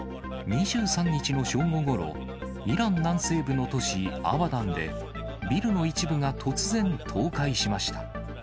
２３日の正午ごろ、イラン南西部の都市アバダンで、ビルの一部が突然、倒壊しました。